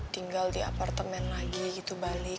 tinggal di apartemen lagi gitu balik